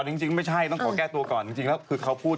หนูป๋วยย้ำพูดให้ดูเป็นทางการ